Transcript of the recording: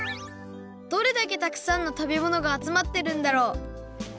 どれだけたくさんの食べ物があつまってるんだろう？